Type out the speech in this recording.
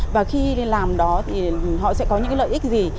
và khi đi làm đó thì họ sẽ có những lợi ích gì